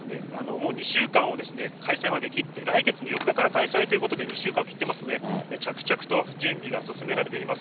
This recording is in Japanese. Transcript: もう２週間を、開催まで切って、来月の４日から開催ということで、２週間を切ってますので、着々と準備が進められています。